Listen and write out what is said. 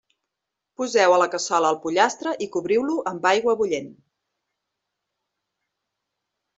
Poseu a la cassola el pollastre i cobriu-lo amb aigua bullent.